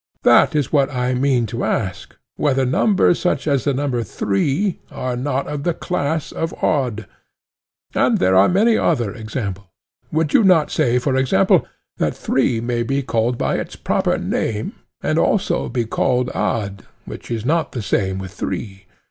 —that is what I mean to ask—whether numbers such as the number three are not of the class of odd. And there are many other examples: would you not say, for example, that three may be called by its proper name, and also be called odd, which is not the same with three?